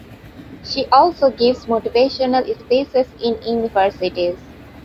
She also gives motivational speeches in universities.